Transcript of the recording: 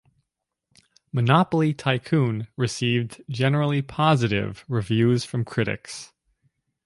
"Monopoly Tycoon" received generally positive reviews from critics.